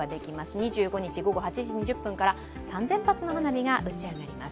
２５日午後８時２０分から３０００発の花火が打ち上げられます。